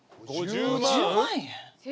５０万円？